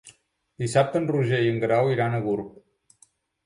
Dissabte en Roger i en Guerau iran a Gurb.